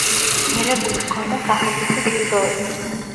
მიღებული ჰქონდა სახელმწიფო ჯილდოები.